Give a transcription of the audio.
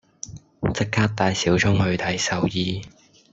即刻帶小聰去睇獸醫